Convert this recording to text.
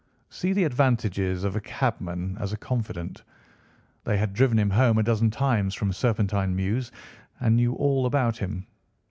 See the advantages of a cabman as a confidant. They had driven him home a dozen times from Serpentine mews, and knew all about him.